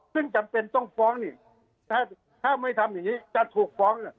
ซึ่งจำเป็นต้องฟ้องนี่ถ้าไม่ทำอย่างนี้จะถูกฟ้อง